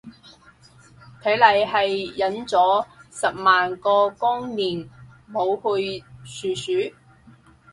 睇嚟係忍咗十萬個光年冇去殊殊